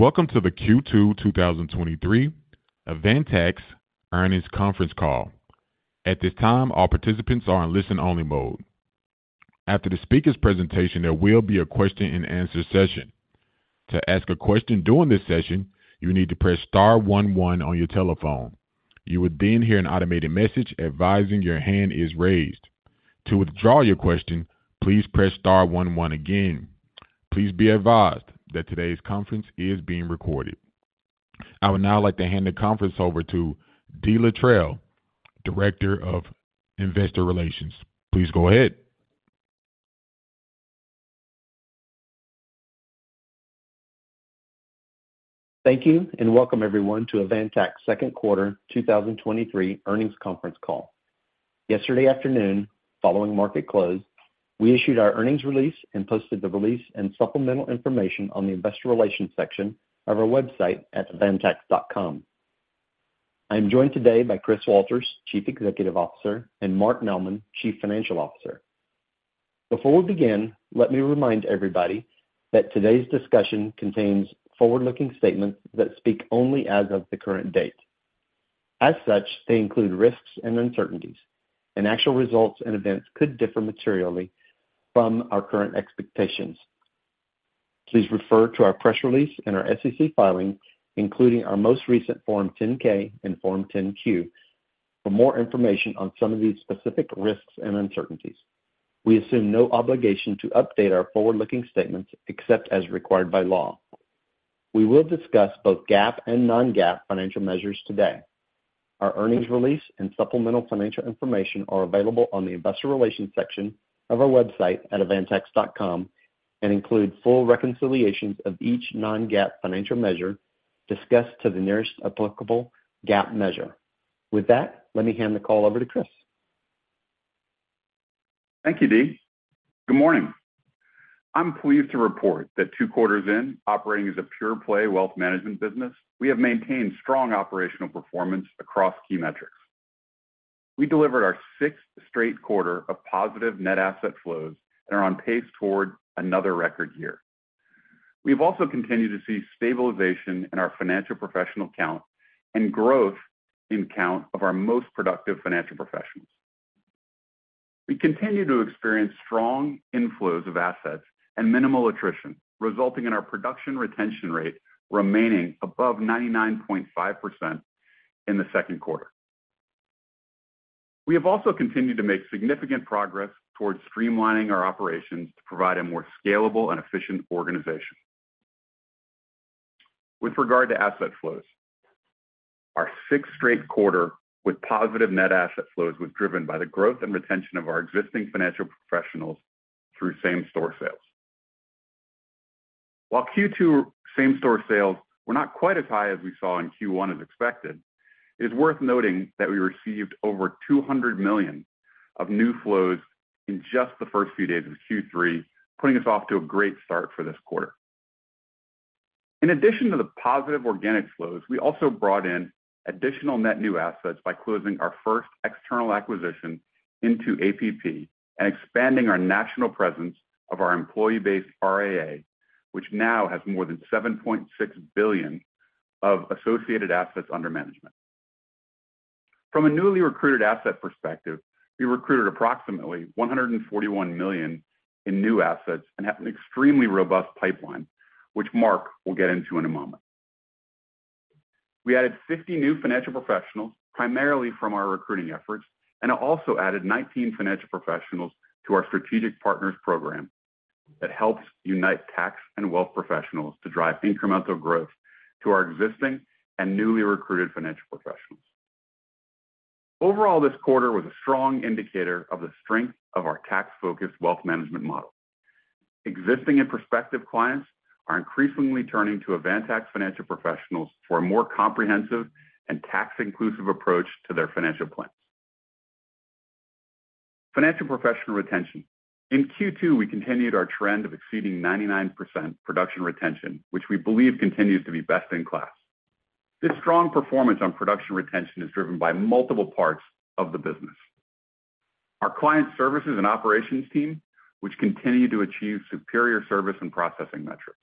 Welcome to the Q2 2023 Avantax Earnings Conference Call. At this time, all participants are in listen-only mode. After the speaker's presentation, there will be a question and answer session. To ask a question during this session, you need to press star one one on your telephone. You will then hear an automated message advising your hand is raised. To withdraw your question, please press star one one again. Please be advised that today's conference is being recorded. I would now like to hand the conference over to Dee Littrell, Director of Investor Relations. Please go ahead. Thank you, welcome everyone to Avantax second quarter 2023 earnings conference call. Yesterday afternoon, following market close, we issued our earnings release and posted the release and supplemental information on the investor relations section of our website at avantax.com. I'm joined today by Chris Walters, Chief Executive Officer, and Marc Mehlman, Chief Financial Officer. Before we begin, let me remind everybody that today's discussion contains forward-looking statements that speak only as of the current date. As such, they include risks and uncertainties, actual results and events could differ materially from our current expectations. Please refer to our press release and our SEC filings, including our most recent Form 10-K and Form 10-Q, for more information on some of these specific risks and uncertainties. We assume no obligation to update our forward-looking statements except as required by law. We will discuss both GAAP and non-GAAP financial measures today. Our earnings release and supplemental financial information are available on the investor relations section of our website at avantax.com, and include full reconciliations of each non-GAAP financial measure discussed to the nearest applicable GAAP measure. With that, let me hand the call over to Chris. Thank you, Dee. Good morning. I'm pleased to report that 2 quarters in, operating as a pure play wealth management business, we have maintained strong operational performance across key metrics. We delivered our 6th straight quarter of positive net asset flows and are on pace towards another record year. We've also continued to see stabilization in our financial professional count and growth in count of our most productive financial professionals. We continue to experience strong inflows of assets and minimal attrition, resulting in our production retention rate remaining above 99.5% in the 2nd quarter. We have also continued to make significant progress towards streamlining our operations to provide a more scalable and efficient organization. With regard to asset flows, our 6th straight quarter with positive net asset flows was driven by the growth and retention of our existing financial professionals through same-store sales. While Q2 same-store sales were not quite as high as we saw in Q1 as expected, it's worth noting that we received over $200 million of new flows in just the first few days of Q3, putting us off to a great start for this quarter. In addition to the positive organic flows, we also brought in additional net new assets by closing our first external acquisition into APP and expanding our national presence of our employee-based RIA, which now has more than $7.6 billion of associated assets under management. From a newly recruited asset perspective, we recruited approximately $141 million in new assets and have an extremely robust pipeline, which Marc will get into in a moment. We added 50 new financial professionals, primarily from our recruiting efforts, and also added 19 financial professionals to our Strategic Partners Program that helps unite tax and wealth professionals to drive incremental growth to our existing and newly recruited financial professionals. Overall, this quarter was a strong indicator of the strength of our tax-focused wealth management model. Existing and prospective clients are increasingly turning to Avantax financial professionals for a more comprehensive and tax-inclusive approach to their financial plans. Financial professional retention. In Q2, we continued our trend of exceeding 99% production retention, which we believe continues to be best in class. This strong performance on production retention is driven by multiple parts of the business. Our client services and operations team, which continue to achieve superior service and processing metrics.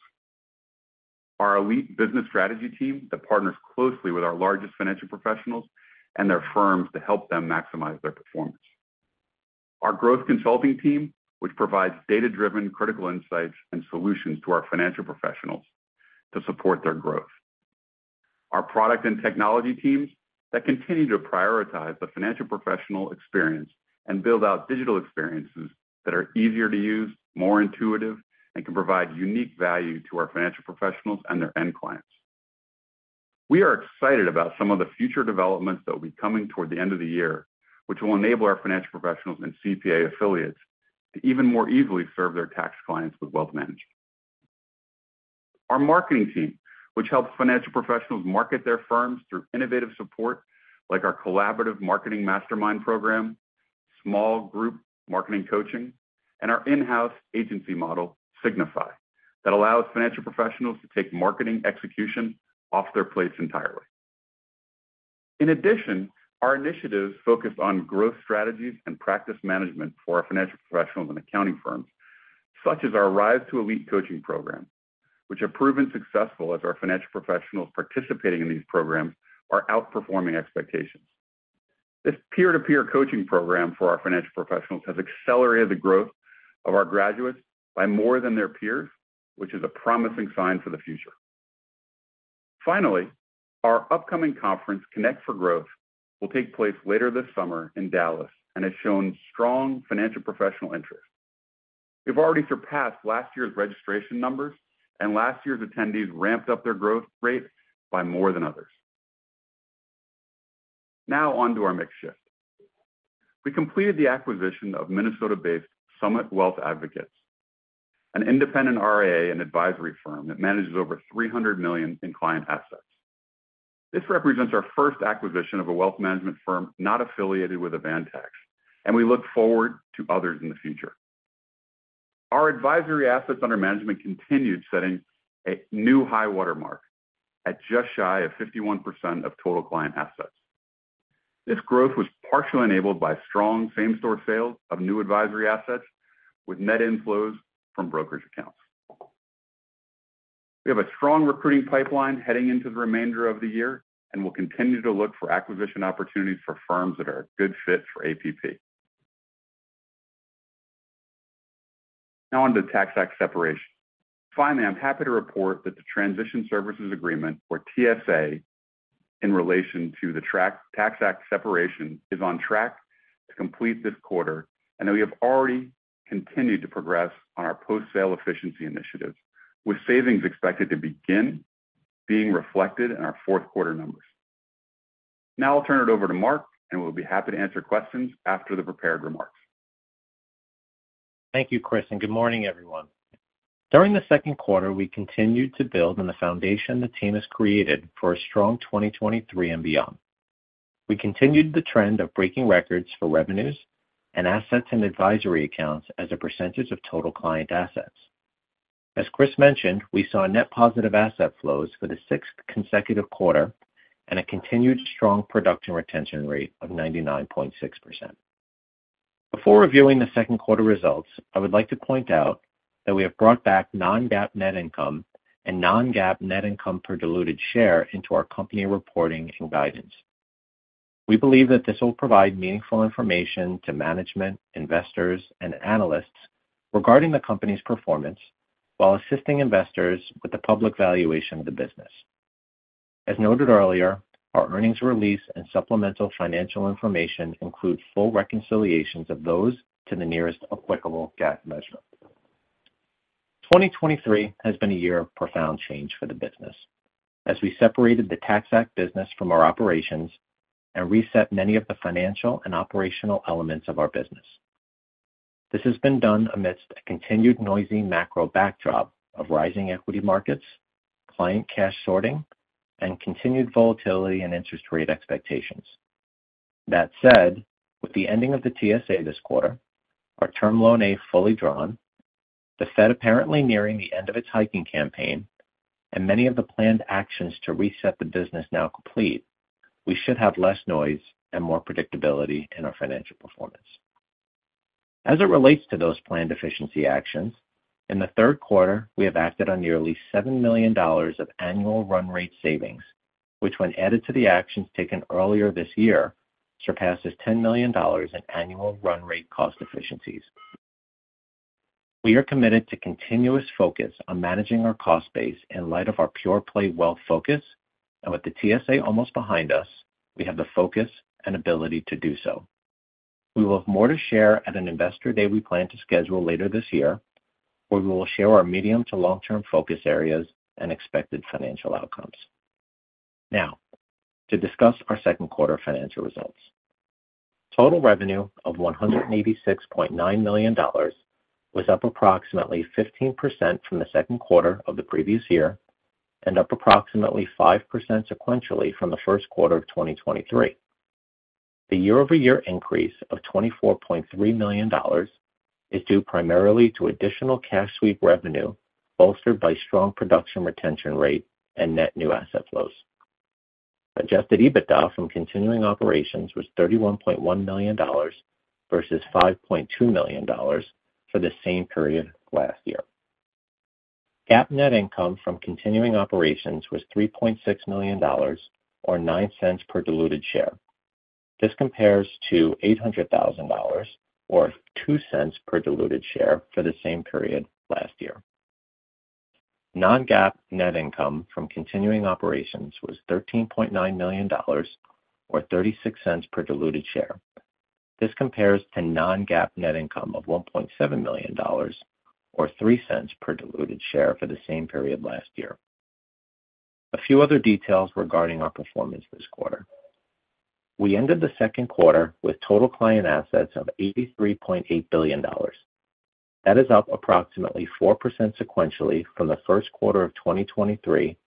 Our elite business strategy team, that partners closely with our largest financial professionals and their firms to help them maximize their performance. Our growth consulting team, which provides data-driven critical insights and solutions to our financial professionals to support their growth. Our product and technology teams, that continue to prioritize the financial professional experience and build out digital experiences that are easier to use, more intuitive, and can provide unique value to our financial professionals and their end clients. We are excited about some of the future developments that will be coming toward the end of the year, which will enable our financial professionals and CPA affiliates to even more easily serve their tax clients with wealth management. Our marketing team, which helps financial professionals market their firms through innovative support like our collaborative Marketing Mastermind program, small group marketing coaching, and our in-house agency model, Signify, that allows financial professionals to take marketing execution off their plates entirely. In addition, our initiatives focus on growth strategies and practice management for our financial professionals and accounting firms, such as our Rise to Elite coaching program, which have proven successful as our financial professionals participating in these programs are outperforming expectations. This peer-to-peer coaching program for our financial professionals has accelerated the growth of our graduates by more than their peers, which is a promising sign for the future. Finally, our upcoming conference, Connect for Growth, will take place later this summer in Dallas and has shown strong financial professional interest. We've already surpassed last year's registration numbers, and last year's attendees ramped up their growth rate by more than others. Now on to our mix shift. We completed the acquisition of Minnesota-based Summit Wealth Advocates, an independent RIA and advisory firm that manages over $300 million in client assets. This represents our first acquisition of a wealth management firm not affiliated with Avantax, and we look forward to others in the future. Our advisory assets under management continued, setting a new high watermark at just shy of 51% of total client assets. This growth was partially enabled by strong same-store sales of new advisory assets with net inflows from brokerage accounts. We have a strong recruiting pipeline heading into the remainder of the year, and we'll continue to look for acquisition opportunities for firms that are a good fit for App. Now on to the TaxAct separation. Finally, I'm happy to report that the Transition Services Agreement, or TSA, in relation to the TaxAct separation, is on track to complete this quarter, that we have already continued to progress on our post-sale efficiency initiatives, with savings expected to begin being reflected in our fourth quarter numbers. Now I'll turn it over to Mark. We'll be happy to answer questions after the prepared remarks. Thank you, Chris. Good morning, everyone. During the second quarter, we continued to build on the foundation the team has created for a strong 2023 and beyond. We continued the trend of breaking records for revenues and assets in advisory accounts as a percentage of total client assets. As Chris mentioned, we saw net positive asset flows for the sixth consecutive quarter and a continued strong production retention rate of 99.6%. Before reviewing the second quarter results, I would like to point out that we have brought back non-GAAP net income and non-GAAP net income per diluted share into our company reporting and guidance. We believe that this will provide meaningful information to management, investors, and analysts regarding the company's performance while assisting investors with the public valuation of the business. As noted earlier, our earnings release and supplemental financial information include full reconciliations of those to the nearest applicable GAAP measurement. 2023 has been a year of profound change for the business as we separated the TaxAct business from our operations and reset many of the financial and operational elements of our business. This has been done amidst a continued noisy macro backdrop of rising equity markets, client cash sorting, and continued volatility in interest rate expectations. That said, with the ending of the TSA this quarter, our Term Loan A fully drawn, the Fed apparently nearing the end of its hiking campaign, and many of the planned actions to reset the business now complete, we should have less noise and more predictability in our financial performance. As it relates to those planned efficiency actions, in the third quarter, we have acted on nearly $7 million of annual run rate savings, which, when added to the actions taken earlier this year, surpasses $10 million in annual run rate cost efficiencies. We are committed to continuous focus on managing our cost base in light of our pure-play wealth focus, and with the TSA almost behind us, we have the focus and ability to do so. We will have more to share at an investor day we plan to schedule later this year, where we will share our medium to long-term focus areas and expected financial outcomes. To discuss our second quarter financial results. Total revenue of $186.9 million was up approximately 15% from the second quarter of the previous year and up approximately 5% sequentially from the first quarter of 2023. The year-over-year increase of $24.3 million is due primarily to additional cash sweep revenue, bolstered by strong production retention rate and net new asset flows. Adjusted EBITDA from continuing operations was $31.1 million versus $5.2 million for the same period last year. GAAP net income from continuing operations was $3.6 million, or $0.09 per diluted share. This compares to $800,000, or $0.02 per diluted share, for the same period last year. Non-GAAP net income from continuing operations was $13.9 million, or $0.36 per diluted share. This compares to non-GAAP net income of $1.7 million, or $0.03 per diluted share, for the same period last year. A few other details regarding our performance this quarter. We ended the second quarter with total client assets of $83.8 billion. That is up approximately 4% sequentially from the first quarter of 2023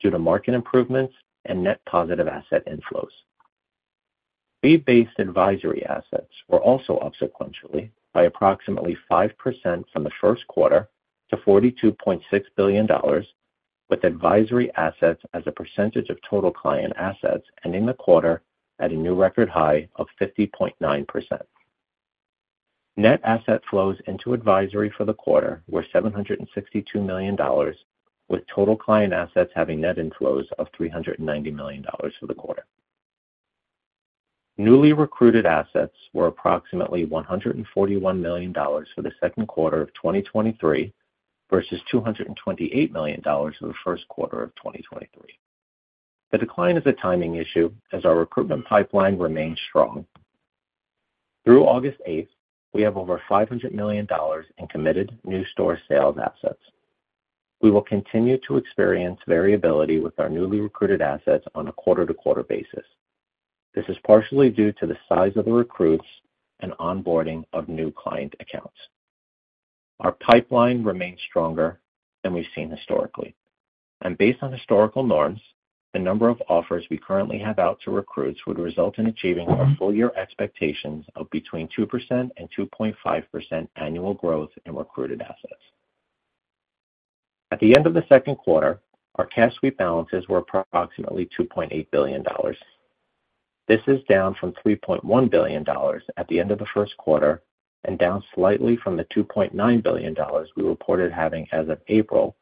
due to market improvements and net positive asset inflows. Fee-based advisory assets were also up sequentially by approximately 5% from the first quarter to $42.6 billion, with advisory assets as a percentage of total client assets ending the quarter at a new record high of 50.9%. Net asset flows into advisory for the quarter were $762 million, with total client assets having net inflows of $390 million for the quarter. Newly recruited assets were approximately $141 million for the second quarter of 2023, versus $228 million in the first quarter of 2023. The decline is a timing issue as our recruitment pipeline remains strong. Through August 8th, we have over $500 million in committed new store sales assets. We will continue to experience variability with our newly recruited assets on a quarter-to-quarter basis. This is partially due to the size of the recruits and onboarding of new client accounts. Our pipeline remains stronger than we've seen historically, and based on historical norms, the number of offers we currently have out to recruits would result in achieving our full year expectations of between 2% and 2.5% annual growth in recruited assets. At the end of the second quarter, our cash sweep balances were approximately $2.8 billion. This is down from $3.1 billion at the end of the first quarter and down slightly from the $2.9 billion we reported having as of April,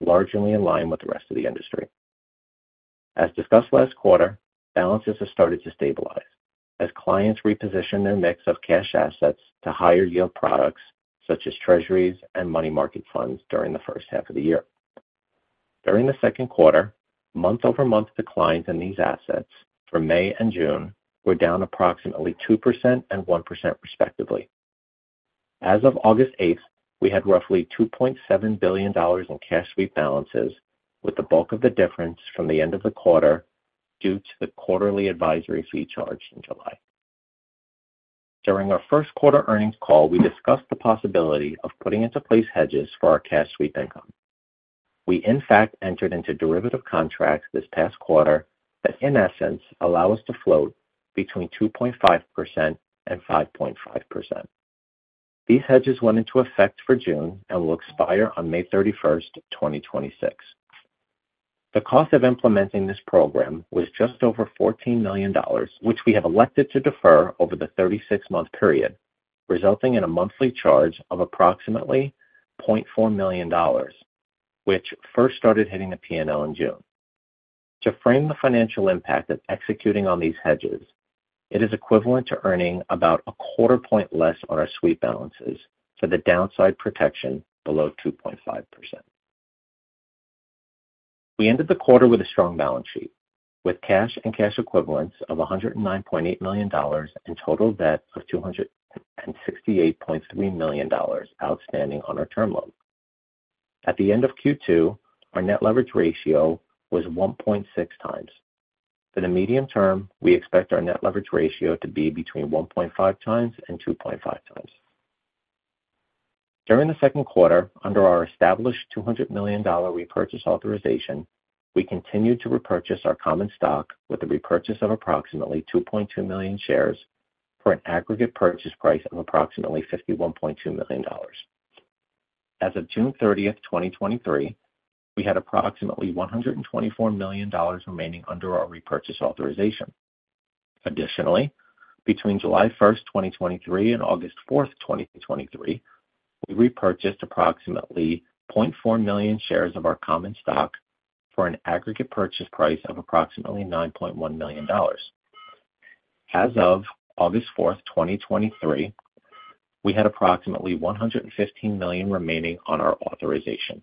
largely in line with the rest of the industry. As discussed last quarter, balances have started to stabilize as clients reposition their mix of cash assets to higher yield products such as treasuries and money market funds during the first half of the year. During the second quarter, month-over-month declines in these assets for May and June were down approximately 2% and 1%, respectively. As of August 8th, we had roughly $2.7 billion in cash sweep balances, with the bulk of the difference from the end of the quarter due to the quarterly advisory fee charged in July. During our first quarter earnings call, we discussed the possibility of putting into place hedges for our cash sweep income. We, in fact, entered into derivative contracts this past quarter that, in essence, allow us to float between 2.5%-5.5%. These hedges went into effect for June and will expire on May 31st, 2026. The cost of implementing this program was just over $14 million, which we have elected to defer over the 36-month period, resulting in a monthly charge of approximately $0.4 million, which first started hitting the PNL in June. To frame the financial impact of executing on these hedges, it is equivalent to earning about a 0.25 point less on our sweep balances for the downside protection below 2.5%. We ended the quarter with a strong balance sheet, with cash and cash equivalents of $109.8 million and total debt of $268.3 million outstanding on our term loan. At the end of Q2, our net leverage ratio was 1.6 times. For the medium term, we expect our net leverage ratio to be between 1.5 times and 2.5 times. During the second quarter, under our established $200 million repurchase authorization, we continued to repurchase our common stock with a repurchase of approximately 2.2 million shares for an aggregate purchase price of approximately $51.2 million. As of June 30, 2023, we had approximately $124 million remaining under our repurchase authorization. Additionally, between July 1, 2023, and August 4, 2023, we repurchased approximately 0.4 million shares of our common stock for an aggregate purchase price of approximately $9.1 million. As of August 4, 2023, we had approximately $115 million remaining on our authorization.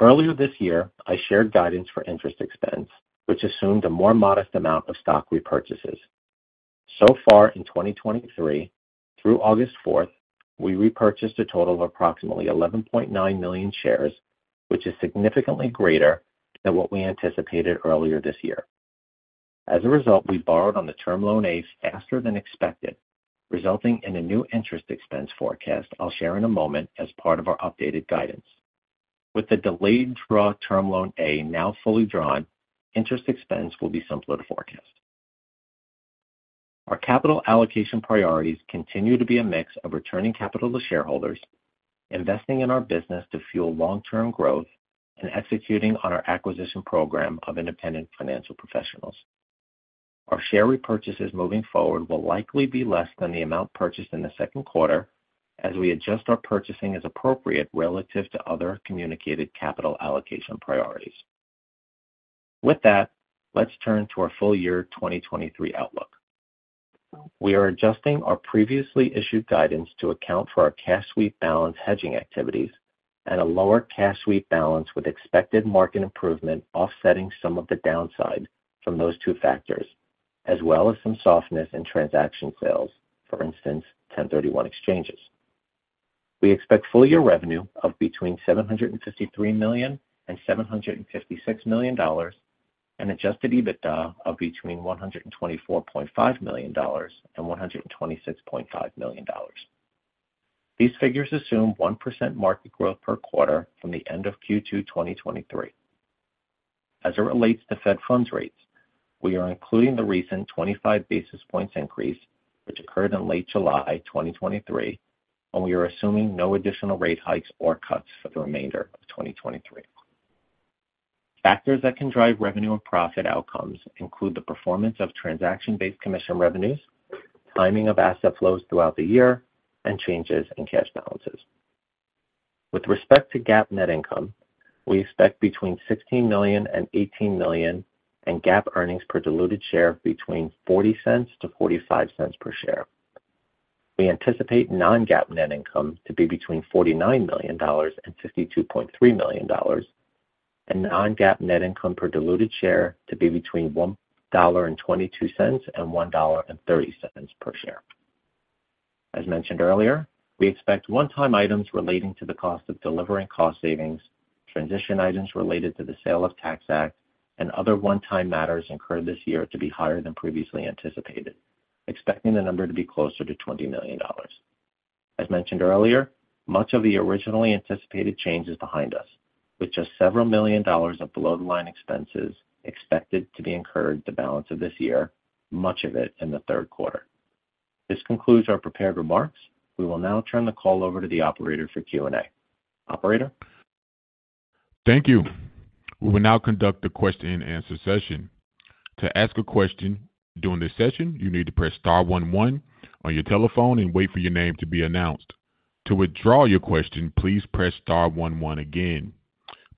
Earlier this year, I shared guidance for interest expense, which assumed a more modest amount of stock repurchases. So far in 2023, through August fourth, we repurchased a total of approximately 11.9 million shares, which is significantly greater than what we anticipated earlier this year. As a result, we borrowed on the Term Loan A faster than expected, resulting in a new interest expense forecast I'll share in a moment as part of our updated guidance. With the delayed draw Term Loan A now fully drawn, interest expense will be simpler to forecast. Our capital allocation priorities continue to be a mix of returning capital to shareholders, investing in our business to fuel long-term growth, and executing on our acquisition program of independent financial professionals. Our share repurchases moving forward will likely be less than the amount purchased in the second quarter as we adjust our purchasing as appropriate relative to other communicated capital allocation priorities. With that, let's turn to our full year 2023 outlook. We are adjusting our previously issued guidance to account for our cash sweep balance hedging activities and a lower cash sweep balance, with expected market improvement offsetting some of the downside from those two factors, as well as some softness in transaction sales, for instance, 1031 exchanges. We expect full year revenue of between $753 million and $756 million, and Adjusted EBITDA of between $124.5 million and $126.5 million. These figures assume 1% market growth per quarter from the end of Q2, 2023. As it relates to Fed funds rates, we are including the recent 25 basis points increase, which occurred in late July 2023. We are assuming no additional rate hikes or cuts for the remainder of 2023. Factors that can drive revenue and profit outcomes include the performance of transaction-based commission revenues, timing of asset flows throughout the year, and changes in cash balances. With respect to GAAP net income, we expect between $16 million and $18 million, and GAAP earnings per diluted share between $0.40-$0.45 per share. We anticipate non-GAAP net income to be between $49 million and $52.3 million, and non-GAAP net income per diluted share to be between $1.22 and $1.30 per share. As mentioned earlier, we expect one-time items relating to the cost of delivering cost savings, transition items related to the sale of TaxAct, and other one-time matters incurred this year to be higher than previously anticipated, expecting the number to be closer to $20 million. As mentioned earlier, much of the originally anticipated change is behind us, with just several million dollars of below-the-line expenses expected to be incurred the balance of this year, much of it in the third quarter. This concludes our prepared remarks. We will now turn the call over to the operator for Q&A. Operator? Thank you. We will now conduct a question-and-answer session. To ask a question during this session, you need to press star 11 on your telephone and wait for your name to be announced. To withdraw your question, please press star 11 again.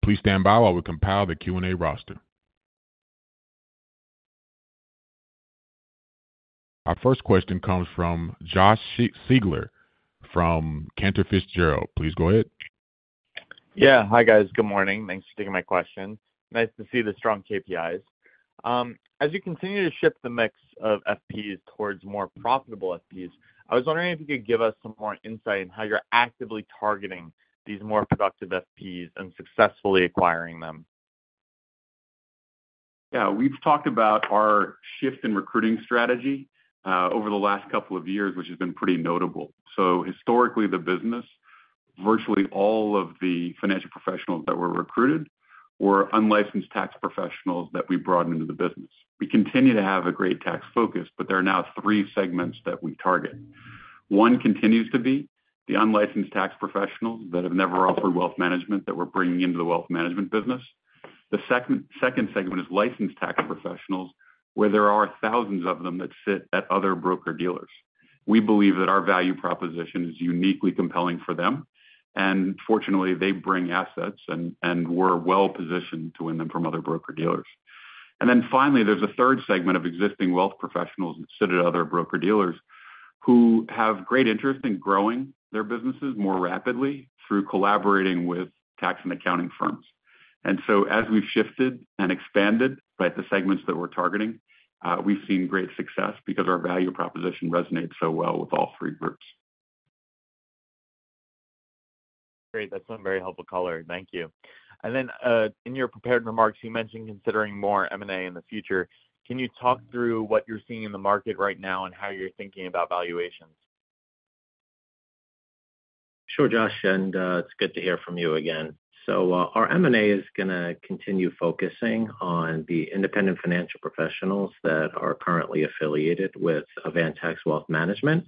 Please stand by while we compile the Q&A roster. Our first question comes from Josh Siegler from Cantor Fitzgerald. Please go ahead. Yeah. Hi, guys. Good morning. Thanks for taking my question. Nice to see the strong KPIs. As you continue to shift the mix of FPs towards more profitable FPs, I was wondering if you could give us some more insight on how you're actively targeting these more productive FPs and successfully acquiring them. Yeah, we've talked about our shift in recruiting strategy over the last couple of years, which has been pretty notable. Historically, the business, virtually all of the financial professionals that were recruited were unlicensed tax professionals that we brought into the business. We continue to have a great tax focus, but there are now 3 segments that we target. 1 continues to be the unlicensed tax professionals that have never offered wealth management that we're bringing into the wealth management business. The second segment is licensed tax professionals, where there are thousands of them that sit at other broker-dealers. We believe that our value proposition is uniquely compelling for them, and fortunately, they bring assets and we're well positioned to win them from other broker-dealers. Finally, there's a third segment of existing wealth professionals that sit at other broker-dealers who have great interest in growing their businesses more rapidly through collaborating with tax and accounting firms. As we've shifted and expanded, right, the segments that we're targeting, we've seen great success because our value proposition resonates so well with all three groups. Great. That's a very helpful color. Thank you. Then, in your prepared remarks, you mentioned considering more M&A in the future. Can you talk through what you're seeing in the market right now and how you're thinking about valuations? Sure, Josh, it's good to hear from you again. Our M&A is going to continue focusing on the independent financial professionals that are currently affiliated with Avantax Wealth Management.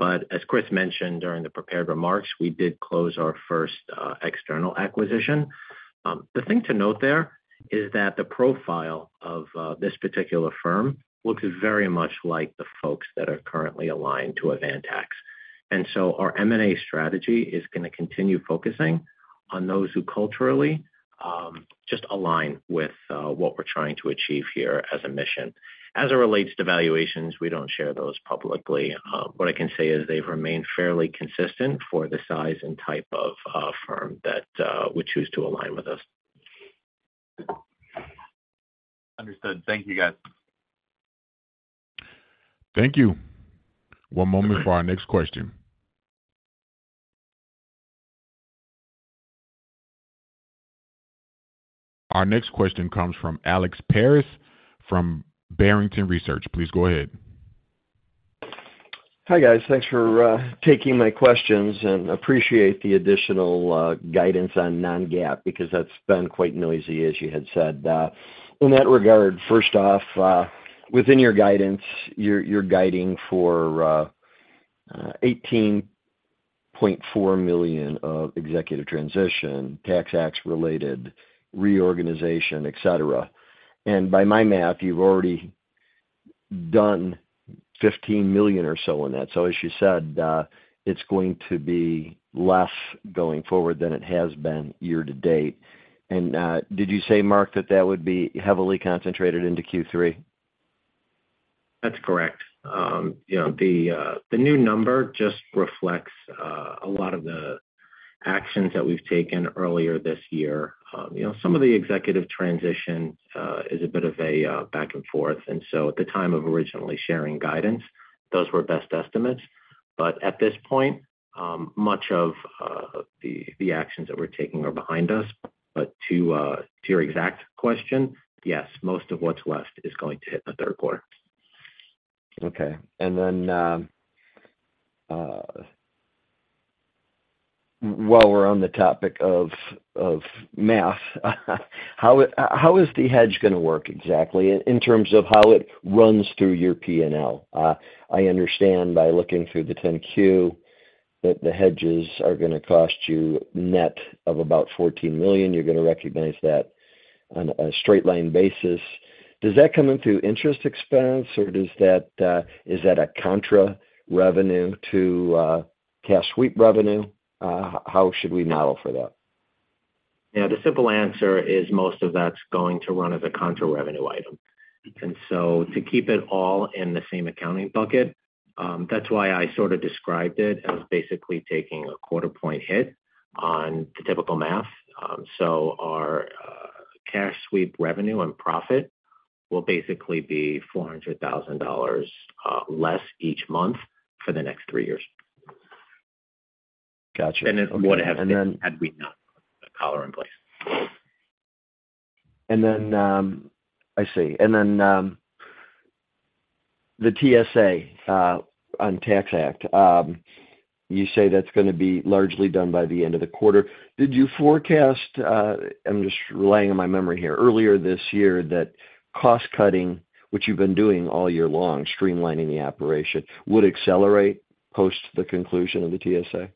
As Chris mentioned during the prepared remarks, we did close our first external acquisition. The thing to note there is that the profile of this particular firm looks very much like the folks that are currently aligned to Avantax. Our M&A strategy is going to continue focusing on those who culturally, just align with what we're trying to achieve here as a mission. As it relates to valuations, we don't share those publicly. What I can say is they've remained fairly consistent for the size and type of firm that would choose to align with us. Understood. Thank you, guys. Thank you. One moment for our next question. Our next question comes from Alex Paris from Barrington Research. Please go ahead. Hi, guys. Thanks for taking my questions, and appreciate the additional guidance on non-GAAP, because that's been quite noisy, as you had said. In that regard, first off, within your guidance, you're, you're guiding for $18.4 million of executive transition, TaxAct-related reorganization, et cetera. By my math, you've already done $15 million or so on that. As you said, it's going to be less going forward than it has been year to date. Did you say, Mark, that that would be heavily concentrated into Q3? That's correct. you know, the new number just reflects a lot of the actions that we've taken earlier this year. you know, some of the executive transition is a bit of a back and forth, at the time of originally sharing guidance, those were best estimates. At this point, much of the actions that we're taking are behind us. To your exact question, yes, most of what's left is going to hit the third quarter. Okay. Then, while we're on the topic of math, how is the hedge going to work exactly, in terms of how it runs through your PNL? I understand by looking through the 10-Q, that the hedges are gonna cost you net of about $14 million. You're gonna recognize that on a straight line basis. Does that come into interest expense, or is that a contra revenue to cash sweep revenue? How should we model for that? Yeah, the simple answer is most of that's going to run as a contra revenue item. To keep it all in the same accounting bucket, that's why I sort of described it as basically taking a 0.25 point hit on the typical math. Our cash sweep revenue and profit will basically be $400,000 less each month for the next 3 years. Got you. it would have been- And then- Had we not put a collar in place. I see. The TSA on TaxAct. You say that's gonna be largely done by the end of the quarter. Did you forecast, I'm just relying on my memory here, earlier this year, that cost-cutting, which you've been doing all year long, streamlining the operation, would accelerate post the conclusion of the TSA?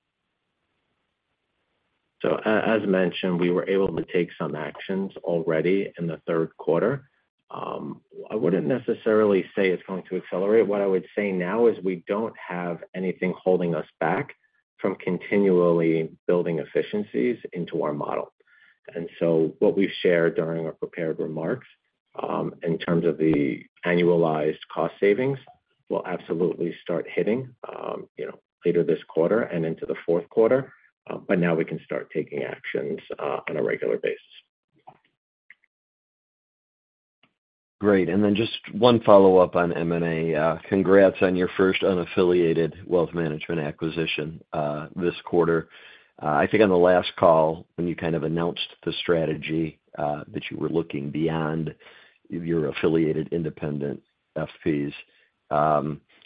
As mentioned, we were able to take some actions already in the third quarter. I wouldn't necessarily say it's going to accelerate. What I would say now is we don't have anything holding us back from continually building efficiencies into our model. What we've shared during our prepared remarks, in terms of the annualized cost savings, will absolutely start hitting, you know, later this quarter and into the fourth quarter. Now we can start taking actions on a regular basis. Great. Just 1 follow-up on M&A. Congrats on your first unaffiliated wealth management acquisition this quarter. I think on the last call, when you kind of announced the strategy that you were looking beyond your affiliated independent FPs,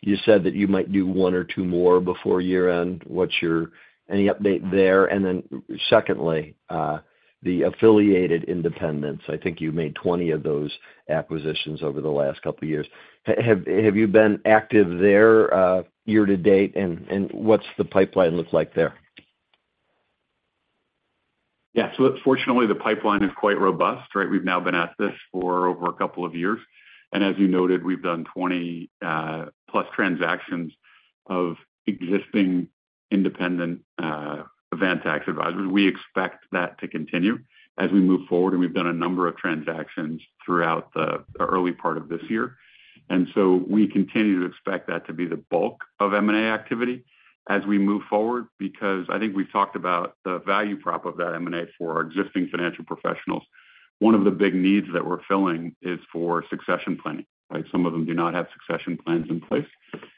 you said that you might do 1 or 2 more before year-end. What's any update there? Secondly, the affiliated independents. I think you made 20 of those acquisitions over the last couple of years. Have you been active there year-to-date? And what's the pipeline look like there? Yeah. Fortunately, the pipeline is quite robust, right? We've now been at this for over a couple of years, and as you noted, we've done 20 plus transactions of existing independent Avantax advisors. We expect that to continue as we move forward, and we've done a number of transactions throughout the early part of this year. We continue to expect that to be the bulk of M&A activity as we move forward, because I think we've talked about the value prop of that M&A for our existing financial professionals. One of the big needs that we're filling is for succession planning, right? Some of them do not have succession plans in place,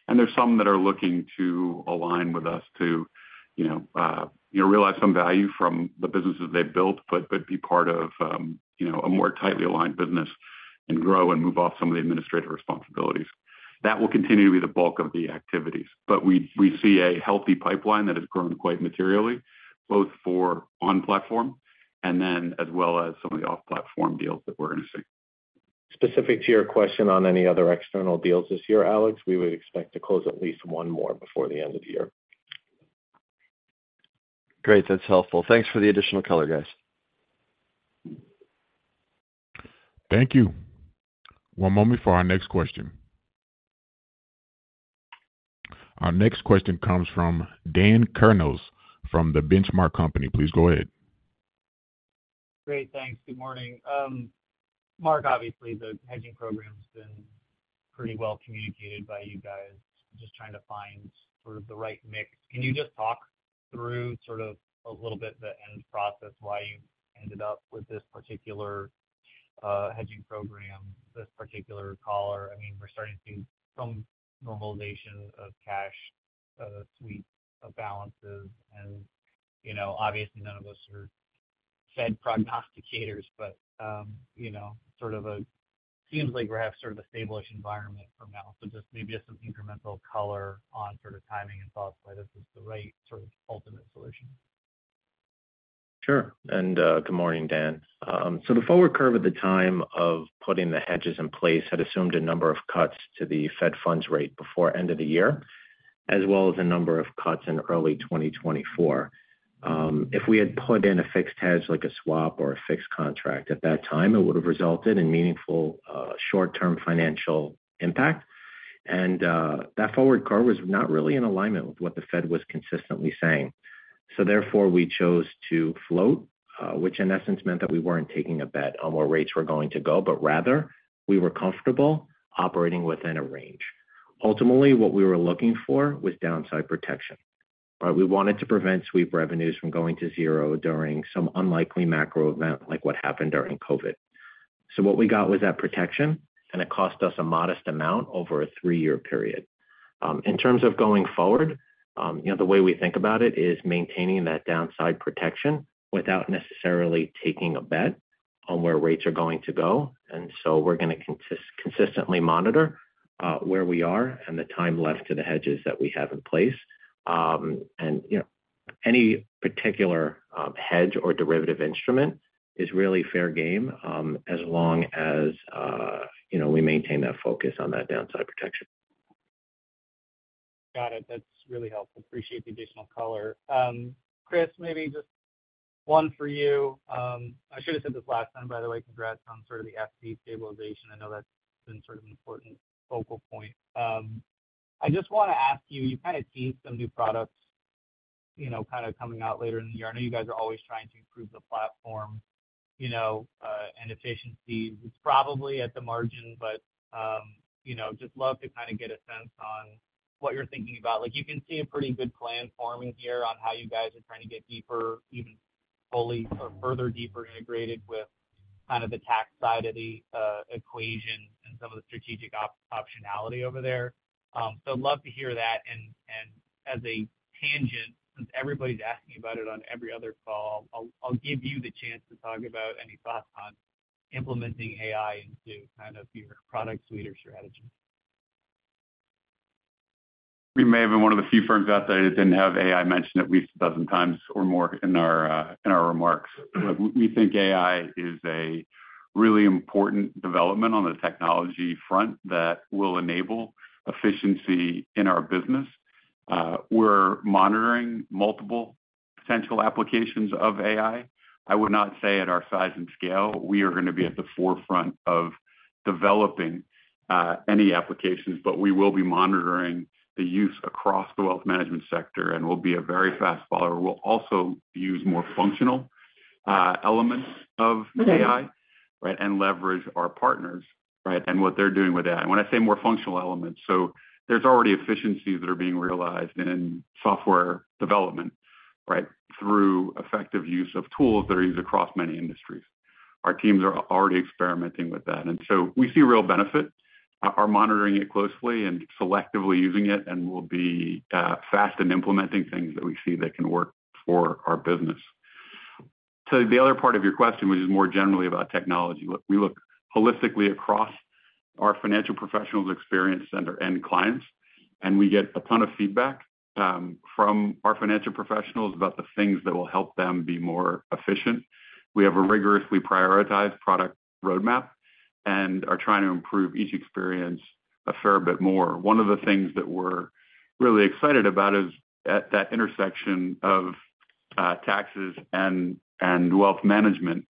and there's some that are looking to align with us to, you know, you know, realize some value from the businesses they've built, but be part of, you know, a more tightly aligned business and grow and move off some of the administrative responsibilities. That will continue to be the bulk of the activities. We, we see a healthy pipeline that has grown quite materially, both for on-platform and then as well as some of the off-platform deals that we're going to see. Specific to your question on any other external deals this year, Alex, we would expect to close at least one more before the end of the year. Great. That's helpful. Thanks for the additional color, guys. Thank you. One moment for our next question. Our next question comes from Dan Kurnos from The Benchmark Company. Please go ahead. Great, thanks. Good morning. Mark, obviously, the hedging program's been pretty well communicated by you guys. Just trying to find sort of the right mix. Can you just talk through sort of a little bit, the end process, why you ended up with this particular hedging program, this particular collar? I mean, we're starting to see some normalization of cash sweep balances. You know, obviously, none of us are Fed prognosticators, but, you know, seems like we have sort of a stable-ish environment for now. Just maybe just some incremental color on sort of timing and thoughts, why this is the right sort of ultimate solution. Sure. Good morning, Dan. The forward curve at the time of putting the hedges in place had assumed a number of cuts to the Fed funds rate before end of the year, as well as a number of cuts in early 2024. If we had put in a fixed hedge, like a swap or a fixed contract at that time, it would have resulted in meaningful, short-term financial impact. That forward curve was not really in alignment with what the Fed was consistently saying. Therefore, we chose to float, which in essence meant that we weren't taking a bet on where rates were going to go, but rather we were comfortable operating within a range. Ultimately, what we were looking for was downside protection, right? We wanted to prevent sweep revenues from going to zero during some unlikely macro event, like what happened during COVID. What we got was that protection, and it cost us a modest amount over a three-year period. In terms of going forward, you know, the way we think about it is maintaining that downside protection without necessarily taking a bet on where rates are going to go. We're going to consistently monitor where we are and the time left to the hedges that we have in place. And, you know, any particular hedge or derivative instrument is really fair game, as long as, you know, we maintain that focus on that downside protection. Got it. That's really helpful. Appreciate the additional color. Chris, maybe just one for you. I should have said this last time, by the way, congrats on sort of the FC stabilization. I know that's been sort of an important focal point. I just want to ask you, you kind of teased some new products, you know, kind of coming out later in the year. I know you guys are always trying to improve the platform, you know, and efficiency. It's probably at the margin, but, you know, just love to kind of get a sense on what you're thinking about. Like, you can see a pretty good plan forming here on how you guys are trying to get deeper, even fully or further deeper integrated with kind of the tax side of the equation and some of the strategic optionality over there. I'd love to hear that. And as a tangent, since everybody's asking about it on every other call, I'll, I'll give you the chance to talk about any thoughts on implementing AI into kind of your product suite or strategy. We may have been one of the few firms out there that didn't have AI mentioned at least 12 times or more in our in our remarks. We think AI is a really important development on the technology front that will enable efficiency in our business. We're monitoring multiple potential applications of AI. I would not say at our size and scale, we are going to be at the forefront of developing any applications, but we will be monitoring the use across the wealth management sector, and we'll be a very fast follower. We'll also use more functional elements of AI. Okay. right, and leverage our partners, right, and what they're doing with that. When I say more functional elements, so there's already efficiencies that are being realized in software development, right, through effective use of tools that are used across many industries. Our teams are already experimenting with that, and so we see real benefit. Are monitoring it closely and selectively using it, and we'll be fast in implementing things that we see that can work for our business. The other part of your question, which is more generally about technology, look, we look holistically across our financial professionals' experience center end clients, and we get a ton of feedback from our financial professionals about the things that will help them be more efficient. We have a rigorously prioritized product roadmap and are trying to improve each experience a fair bit more. One of the things that we're really excited about is at that intersection of taxes and wealth management,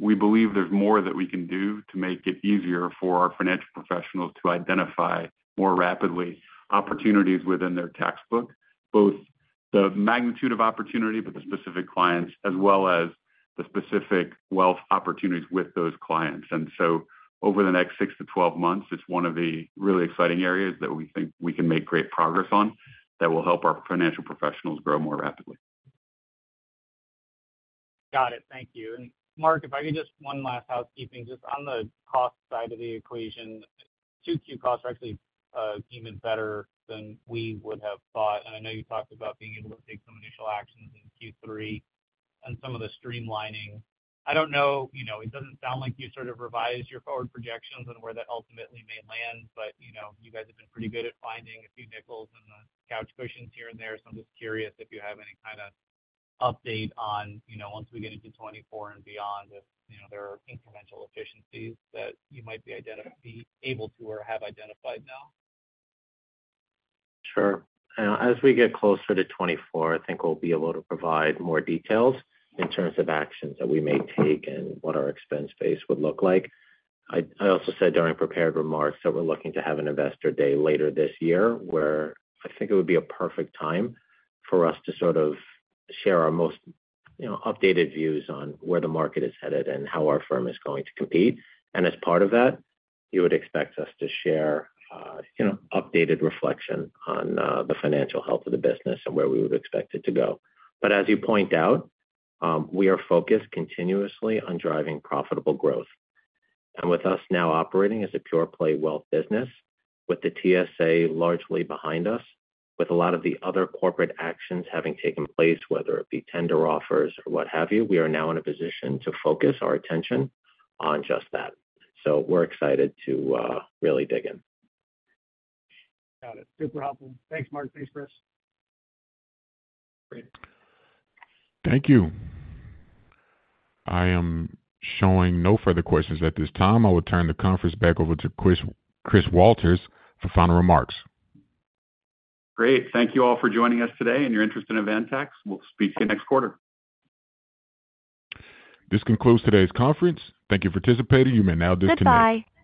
we believe there's more that we can do to make it easier for our financial professionals to identify more rapidly opportunities within their tax book. Both the magnitude of opportunity, but the specific clients, as well as the specific wealth opportunities with those clients. Over the next six to 12 months, it's one of the really exciting areas that we think we can make great progress on that will help our financial professionals grow more rapidly. Got it. Thank you. Marc, if I could just one last housekeeping. Just on the cost side of the equation, 2Q costs are actually even better than we would have thought. I know you talked about being able to take some initial actions in Q3 and some of the streamlining. I don't know, you know, it doesn't sound like you sort of revised your forward projections on where that ultimately may land, but, you know, you guys have been pretty good at finding a few nickels in the couch cushions here and there. I'm just curious if you have any kind of update on, you know, once we get into 2024 and beyond, if, you know, there are incremental efficiencies that you might be able to or have identified now. Sure. As we get closer to 2024, I think we'll be able to provide more details in terms of actions that we may take and what our expense base would look like. I also said during prepared remarks that we're looking to have an investor day later this year, where I think it would be a perfect time for us to sort of share our most, you know, updated views on where the market is headed and how our firm is going to compete. As part of that, you would expect us to share, you know, updated reflection on the financial health of the business and where we would expect it to go. As you point out, we are focused continuously on driving profitable growth. With us now operating as a pure play wealth business, with the TSA largely behind us, with a lot of the other corporate actions having taken place, whether it be tender offers or what have you, we are now in a position to focus our attention on just that. We're excited to really dig in. Got it. Super helpful. Thanks, Mark. Thanks, Chris. Great. Thank you. I am showing no further questions at this time. I will turn the conference back over to Chris, Chris Walters for final remarks. Great. Thank you all for joining us today and your interest in Avantax. We'll speak to you next quarter. This concludes today's conference. Thank you for participating. You may now disconnect.